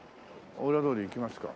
裏通り行きますか。